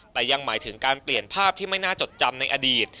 แต่ยังหมายถึงการเปลี่ยนภาพที่ไม่น่าจดจำในอดีต